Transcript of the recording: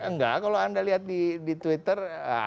enggak kalau anda lihat di twitter